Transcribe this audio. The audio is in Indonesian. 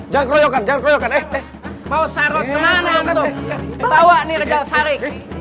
jangan keroyokan jangan keroyokan eh mau sarot kemana bawa nih regal sari